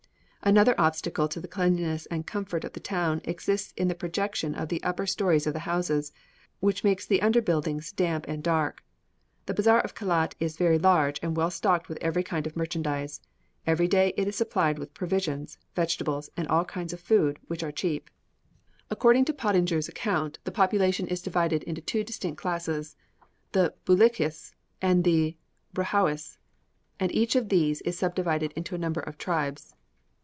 Another obstacle to the cleanliness and comfort of the town exists in the projection of the upper stories of the houses, which makes the under buildings damp and dark. The bazaar of Kelat is very large, and well stocked with every kind of merchandize. Every day it is supplied with provisions, vegetables, and all kinds of food, which are cheap." According to Pottinger's account, the population is divided into two distinct classes the Belutchis and the Brahouis, and each of these is subdivided into a number of tribes.